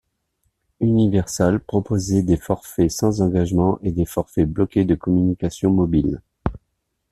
Universal proposait des forfaits sans engagement et des forfaits bloqués de communications mobiles.